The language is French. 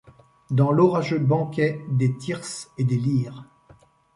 Dans l’orageux banquet des thyrses et des lyres